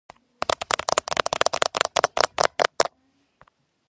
იმავე წლის დეკემბერში გაძარცვა საიუველირო მაღაზია ქალაქ ჟენევაში.